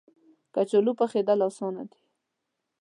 کچالو پخېدل اسانه دي